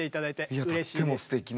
いやとってもすてきな。